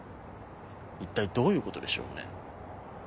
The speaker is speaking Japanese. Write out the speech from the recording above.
一体どういうことでしょうね。